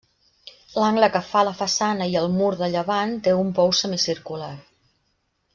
L'angle que fa la façana i el mur de llevant té un pou semicircular.